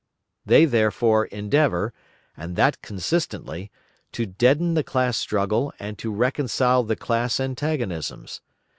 They, therefore, endeavour, and that consistently, to deaden the class struggle and to reconcile the class antagonisms.